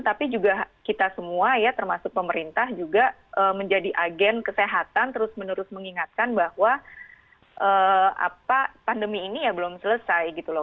tapi juga kita semua ya termasuk pemerintah juga menjadi agen kesehatan terus menerus mengingatkan bahwa pandemi ini ya belum selesai gitu loh